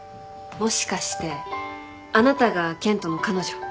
もしかしてあなたが健人の彼女？